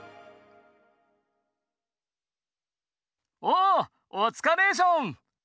「おつかれーション！